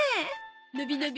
のびのび！